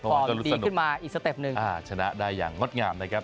ลุ้นสนุกพอมตีขึ้นมาอีกสเต็ปนึงชนะได้อย่างงดงามนะครับ